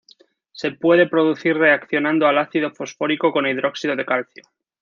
Se puede producir reaccionando el ácido fosfórico con hidróxido de calcio.